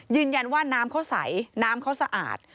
ยืนยันว่าน้ำเขาใสน้ำเขาสะอาด